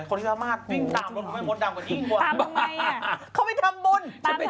คนที่ทำมากวิ่งตามรถก็ไปมดดำกว่ายิ่งบ่าง